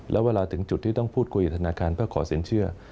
แล้วเวลาถึงจุดที่ต้องพูดคุยกับธนาคารเพื่อขอสินเชื่อ